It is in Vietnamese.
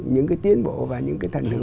những cái tiến bộ và những cái thần hưởng